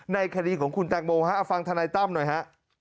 ในคดีของคุณแตงโมฮะเอาฟังธนายตั้มหน่อยฮะ